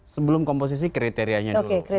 sebelum komposisi kriterianya dulu